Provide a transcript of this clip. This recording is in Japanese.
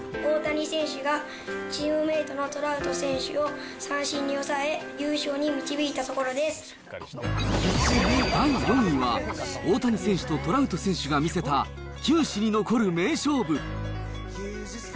大谷選手がチームメートのトラウト選手を三振に抑え、優勝に第４位は、大谷選手とトラウト選手が見せた、球史に残る名勝負。